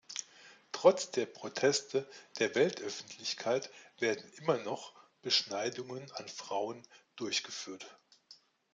Trotz der Proteste der Weltöffentlichkeit werden immer noch Beschneidungen an Frauen durchgeführt.